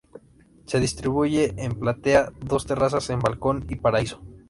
Se distribuye en platea, dos terrazas, un balcón y paraíso.